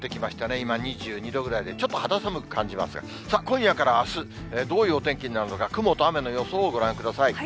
今２２度ぐらいで、ちょっと肌寒く感じますが、今夜からあす、どういうお天気になるのか、雲と雨の予想をご覧ください。